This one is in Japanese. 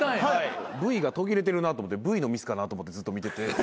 Ｖが途切れてるなと思ってＶのミスかなと思ってずっと見てて。